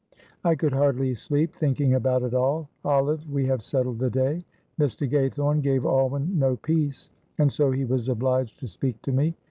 "I could hardly sleep thinking about it all. Olive, we have settled the day. Mr. Gaythorne gave Alwyn no peace, and so he was obliged to speak to me.